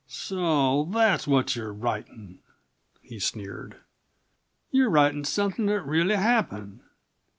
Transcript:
"So that's what you're writin'?" he sneered. "You're writin' somethin' that really happened.